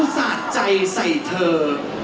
สาดน้ำใส่ใคร